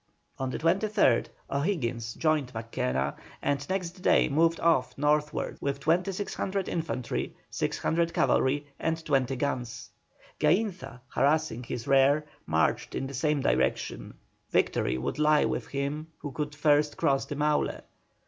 On the 23rd O'Higgins joined Mackenna, and next day moved off northwards with 2,600 infantry, 600 cavalry, and twenty guns. Gainza, harassing his rear, marched in the same direction; victory would lie with him who could first cross the Maule.